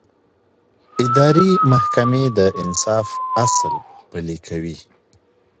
اداري محکمې د انصاف اصل پلي کوي.